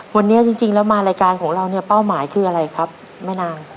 วันนี้จริงแล้วมารายการของเราเนี่ยเป้าหมายคืออะไรครับแม่นาง